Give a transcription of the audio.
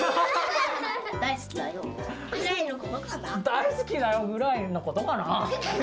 大好きだよぐらいのことかな。